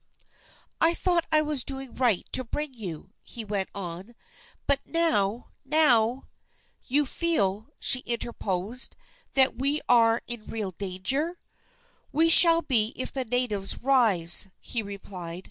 "I thought I was doing right to bring you," he went on; "but now now " "You feel," she interposed, "that we are in real danger?" "We shall be if the natives rise," he replied.